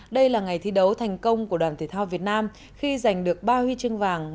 đây là ngày thi đấu thành công của đoàn thể thao việt nam khi giành được ba huy chương vàng